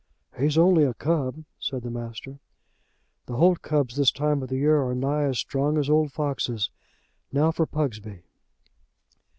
"He's only a cub," said the master. "The holt cubs this time of the year are nigh as strong as old foxes. Now for Pugsby."